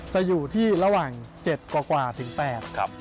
จะอยู่ที่ระหว่าง๗กว่าถึง๘ครับ